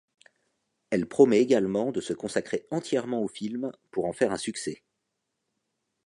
Elle promet également de se consacrer entièrement au film pour en faire un succès.